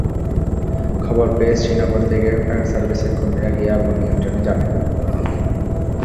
খবর পেয়ে শ্রীনগর থেকে ফায়ার সার্ভিসের কর্মীরা গিয়ে আগুন নিয়ন্ত্রণে আনেন।